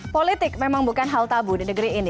politik memang bukan hal tabu di negeri ini